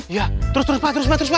ya terus terus pak terus pak terus pak